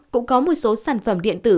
cũng có một số sản phẩm điện tử